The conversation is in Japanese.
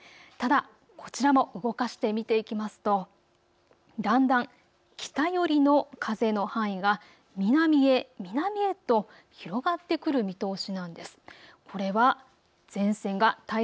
ただこちらも動かして見ていきますとだんだん、北寄り風の範囲が南へ南へと広がってくる見通しなんです。